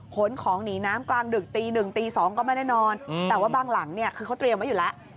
ขนของหนีน้ำกลางดึกตีหนึ่งตี๒ก็ไม่ได้นอนแต่ว่าบางหลังเนี่ยคือเขาเตรียมไว้อยู่แล้ว